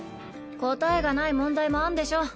答えがない問題もあんでしょ。